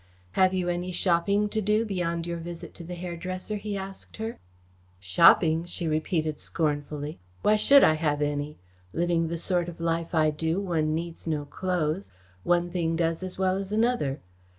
"Have you any shopping to do, beyond your visit to the hairdresser?" he asked her. "Shopping!" she repeated scornfully. "Why should I have any? Living the sort of life I do, one needs no clothes. One thing does as well as another.